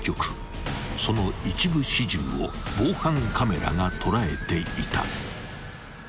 ［その一部始終を防犯カメラが捉えていた］